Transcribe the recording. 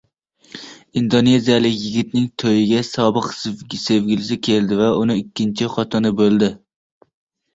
Indoneziyalik yigitning to‘yiga sobiq sevgilisi keldi va uning ikkinchi xotini bo‘ldi